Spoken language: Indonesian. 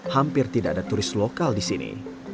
hampir tidak ada turis lokal di sini